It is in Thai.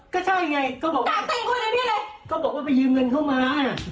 ก็ใช่ไงก็บอกว่าไปยืมเงินเข้ามา